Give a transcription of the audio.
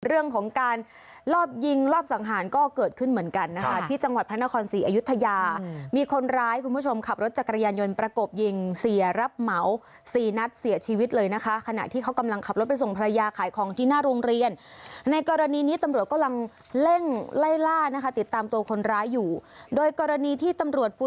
เรื่องของการลอบยิงรอบสังหารก็เกิดขึ้นเหมือนกันนะคะที่จังหวัดพระนครศรีอยุธยามีคนร้ายคุณผู้ชมขับรถจักรยานยนต์ประกบยิงเสียรับเหมาสี่นัดเสียชีวิตเลยนะคะขณะที่เขากำลังขับรถไปส่งภรรยาขายของที่หน้าโรงเรียนในกรณีนี้ตำรวจกำลังเร่งไล่ล่านะคะติดตามตัวคนร้ายอยู่โดยกรณีที่ตำรวจปู